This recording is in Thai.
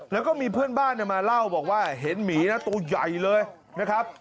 แล้วก็มีเพื่อนบ้านมาเล่าบอกว่าเห็นหมีนะตัวใหญ่เลยนะครับ